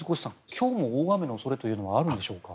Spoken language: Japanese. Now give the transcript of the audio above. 今日も大雨の恐れというのはあるんでしょうか。